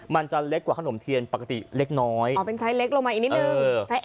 มันจะเล็กกว่าขนมเทียนปกติเล็กน้อยอ๋อเป็นไซส์เล็กลงมาอีกนิดนึง